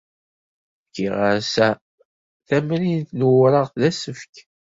Fkiɣ-as tamrint n wureɣ d asefk.